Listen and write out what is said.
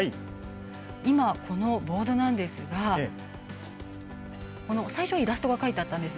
今、このボードなんですが最初はイラストが描いてあったんです。